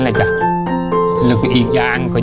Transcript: แล้วก็อีกอย่างคือ